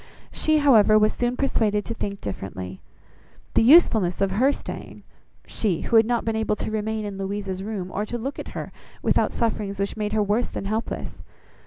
She, however, was soon persuaded to think differently. The usefulness of her staying! She who had not been able to remain in Louisa's room, or to look at her, without sufferings which made her worse than helpless!